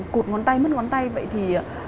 cụt ngón tay mất ngón tay vậy thì